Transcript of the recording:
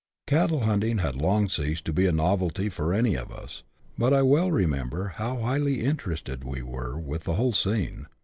Cattle hunting had long ceased to be a novelty to any of us, but I well remember how highly interested we were with the whole scene.